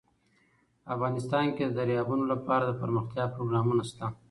افغانستان کې د دریابونه لپاره دپرمختیا پروګرامونه شته.